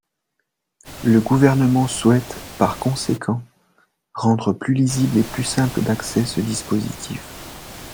Le Gouvernement souhaite, par conséquent, rendre plus lisible et plus simple d’accès ce dispositif.